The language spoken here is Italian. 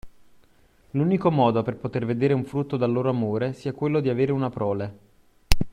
L'unico modo per poter vedere un frutto dal loro amore sia quello di avere una prole.